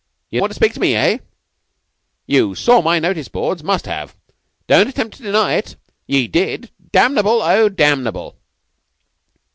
Ye want to speak to me Eh? You saw my notice boards? Must have. Don't attempt to deny it. Ye did! Damnable, oh damnable!"